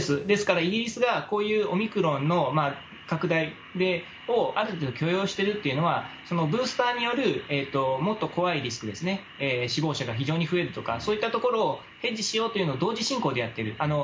ですからイギリスがこういうオミクロンの拡大をある程度許容してるというのは、ブースターによるもっと怖いリスクですね、死亡者が非常に増えるとか、そういったところをヘッジしようというのを同時進行でやってる。